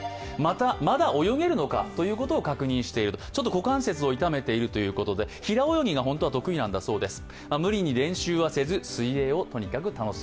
股関節を痛めているということで平泳ぎが本当は得意なんだそうです。